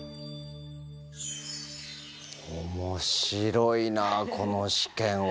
面白いなこの試験は。